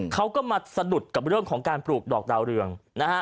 เขาก็มาสะดุดกับเรื่องของการปลูกดอกดาวเรืองนะฮะ